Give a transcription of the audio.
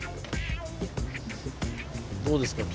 どうですか？